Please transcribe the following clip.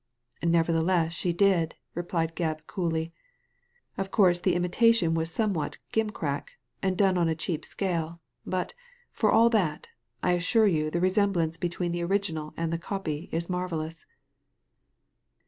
*" Nevertheless she did," replied Gebb, coolly. " Of course the imitation was somewhat gimcrack, and done on a cheap scale ; but, for all that, I assure you the resemblance between the original and the copy is marvellous."